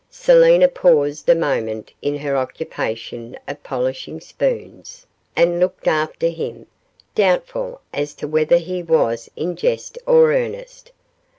Selina paused a moment in her occupation of polishing spoons, and looked after him, doubtful as to whether he was in jest or earnest.